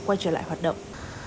quay trở lại hoạt động